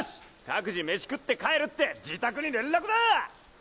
各自飯食って帰るって自宅に連絡だぁ！